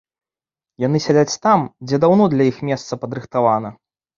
Яны сядзяць там, дзе даўно для іх месца падрыхтавана.